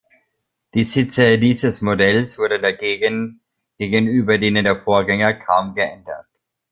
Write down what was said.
Die Sitze dieses Modells wurden dagegen gegenüber denen der Vorgänger kaum geändert.